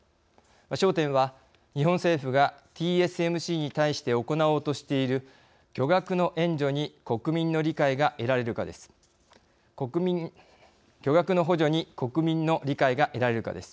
焦点は、日本政府がＴＳＭＣに対して行おうとしている巨額の援助に国民の理解が得られるかです。